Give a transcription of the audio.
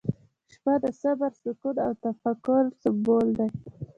• شپه د صبر، سکون، او تفکر سمبول دی.